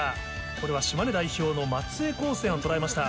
これは島根代表の松江高専を捉えました。